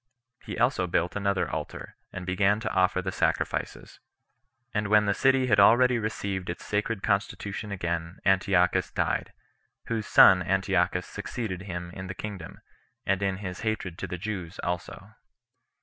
He also built another altar, and began to offer the sacrifices; and when the city had already received its sacred constitution again, Antiochus died; whose son Antiochus succeeded him in the kingdom, and in his hatred to the Jews also.